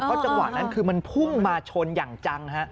จังหวะนั้นคือมันพุ่งมาชนอย่างจังฮะ